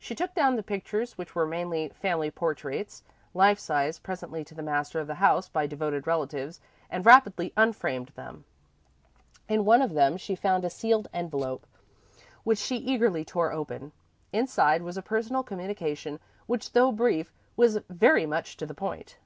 She took down the pictures, which were mainly family portraits, life size, presented to the master of the house by devoted relatives, and rapidly unframed them. In one of them she found a sealed envelope, which she eagerly tore open. Inside was a personal communication which, though brief, was very much to the point.